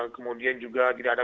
kemudian juga tidak ada